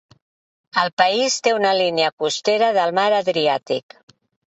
El país te una línia costera del Mar Adriàtic.